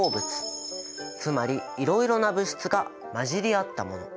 つまりいろいろな物質が混じり合ったもの。